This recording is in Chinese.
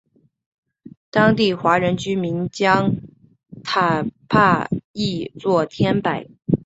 当地华人居民将坦帕译作天柏。